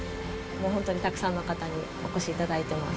もう本当にたくさんの方にお越しいただいてます。